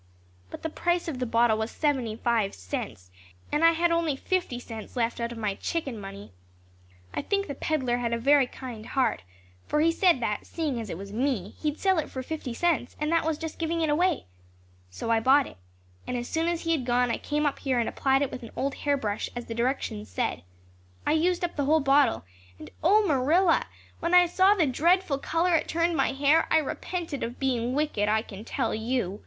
But the price of the bottle was seventy five cents and I had only fifty cents left out of my chicken money. I think the peddler had a very kind heart, for he said that, seeing it was me, he'd sell it for fifty cents and that was just giving it away. So I bought it, and as soon as he had gone I came up here and applied it with an old hairbrush as the directions said. I used up the whole bottle, and oh, Marilla, when I saw the dreadful color it turned my hair I repented of being wicked, I can tell you.